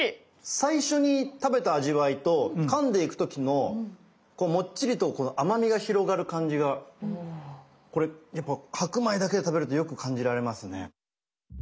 最初に食べた味わいとかんでいく時のこうもっちりとこの甘みが広がる感じがこれやっぱ白米だけで食べるとよく感じられますね。